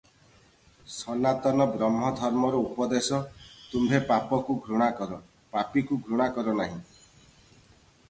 ସନାତନ ବ୍ରହ୍ମଧର୍ମର ଉପଦେଶ ତୁମ୍ଭେ ପାପକୁ ଘୃଣା କର, ପାପୀକୁ ଘୃଣା କର ନାହିଁ ।